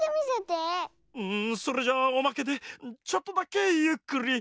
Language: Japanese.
んそれじゃあおまけでちょっとだけゆっくり。